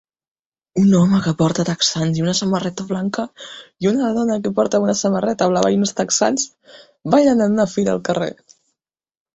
Un home que porta texans i una samarreta blanca i una dona que porta una samarreta blava i uns texans ballen en una fira al carrer